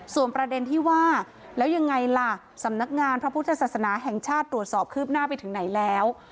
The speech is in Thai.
ส่วนประเด็นที่ว่าแล้วยังไงล่ะสำนักงานพระพุทธศาสนาแห่งชาติตรวจสอบคืบหน้าไปถึงไหนแล้ว